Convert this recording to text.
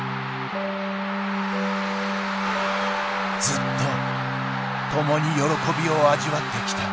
ずっとともに喜びを味わってきた。